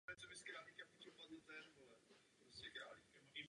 Nejčastěji ho můžeme nalézt v podhorských a horských oblastech.